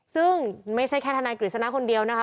คือไม่ใช่แค่ทนะกริจรณะคนเดียวนะคะ